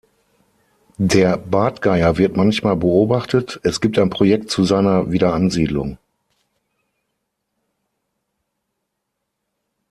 Der Bartgeier wird manchmal beobachtet, es gibt ein Projekt zu seiner Wiederansiedlung.